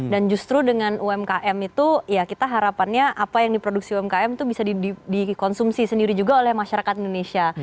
dan justru dengan umkm itu ya kita harapannya apa yang diproduksi umkm itu bisa dikonsumsi sendiri juga oleh masyarakat indonesia